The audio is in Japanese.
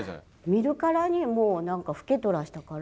見るからにもう老けとらしたから。